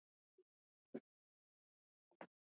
Usikaange viazi lishe kwa zaidi ya dakika tano